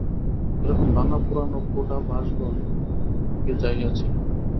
এরকম ভাঙা পুরানো কোঠা বাঁশবন কে চাহিয়াছিল?